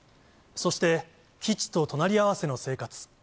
そして基地と隣り合わせの生活。